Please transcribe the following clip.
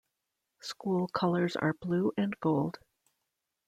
School colors are blue and gold.